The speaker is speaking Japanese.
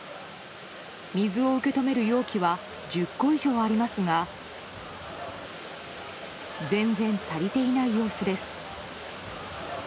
水を受け止める容器は１０個以上ありますが全然足りていない様子です。